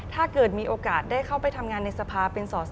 ถ้าเกิดมีโอกาสได้เข้าไปทำงานในสภาเป็นสอสอ